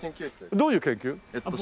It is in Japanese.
どういう研究？